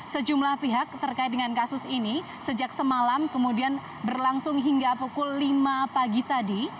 sejumlah pihak terkait dengan kasus ini sejak semalam kemudian berlangsung hingga pukul lima pagi tadi